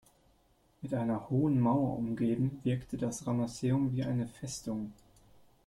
Mit einer hohen Mauer umgeben wirkte das Ramesseum wie eine Festung.